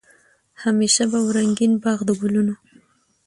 همېشه به وو رنګین باغ د ګلونو